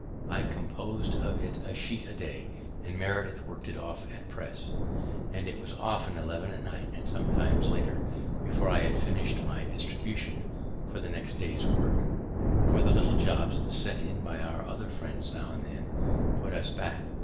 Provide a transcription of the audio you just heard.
I compos'd of it a sheet a day, and Meredith worked it off at press; it was often eleven at night, and sometimes later, before I had finished my distribution for the next day's work, for the little jobbs sent in by our other friends now and then put us back.